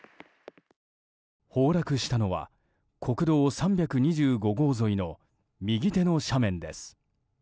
崩落したのは国道３２号沿いの右手の斜面です。